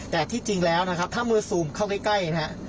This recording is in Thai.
แต่ที่จริงแล้วนะครับถ้าเมื่อซูมเข้าใกล้นะฮะ